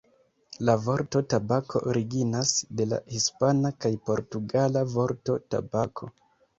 La vorto tabako originas de la hispana kaj portugala vorto "tabako".